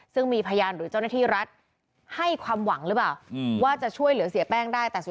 ซึ่งมีพยานหรือเจ้าหน้าที่รัฐให้ความหวังหรือเปล่าว่าจะช่วยเหลือเสียแป้งได้